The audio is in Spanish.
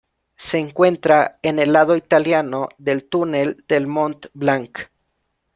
Se encuentra en el lado italiano del túnel del Mont Blanc.